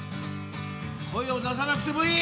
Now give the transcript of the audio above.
声を出さなくてもいい。